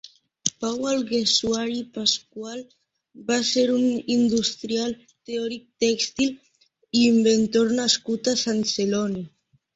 Pau Alguersuari i Pascual va ser un industrial, teòric tèxtil i inventor nascut a Sant Celoni.